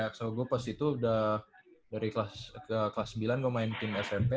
xo gue pas itu udah dari kelas sembilan gue main tim smp